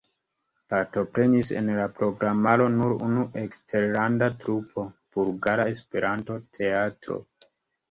Partoprenis en la programaro nur unu eksterlanda trupo: Bulgara Esperanto-Teatro.